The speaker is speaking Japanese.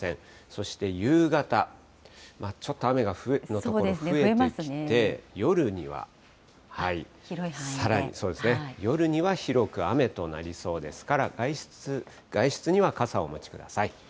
そして夕方、ちょっと雨が降る所が増えてきて、夜にはさらに夜には広く雨となりそうですから、外出には傘をお持ちください。